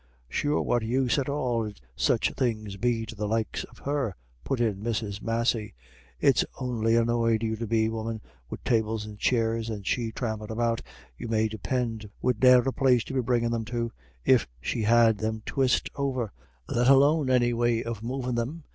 "Sure what use at all 'ud such a thing be to the likes of her?" put in Mrs. Massey. "It's on'y annoyed you'd be, woman, wid tables and chairs. And she thrampin' about, you may depind, wid ne'er a place to be bringin' them to, if she had them twyste over, let alone any way of movin' them.